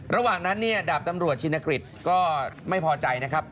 ระหว่างนั้นเนี่ยดาบตำรวจชินกฤษก็ไม่พอใจนะครับ